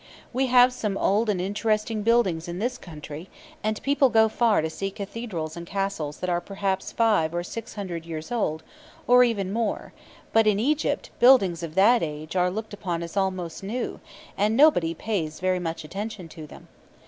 We have some old and interesting buildings in this country, and people go far to see cathedrals and castles that are perhaps five or six hundred years old, or even more; but in Egypt, buildings of that age are looked upon as almost new, and nobody pays very much attention to them.